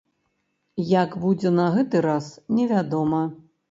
Як будзе на гэты раз, невядома.